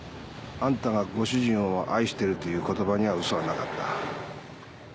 あんたがご主人を愛しているという言葉には嘘はなかった。